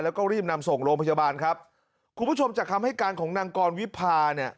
แล้วก็รีบนำส่งโรงพยาบาลครับคุณผู้ชมจากคำให้การของนางกรวิพาเนี่ย